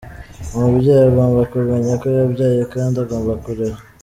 Umubyeyi agomba kumenya ko yabyaye kandi agomba kurera.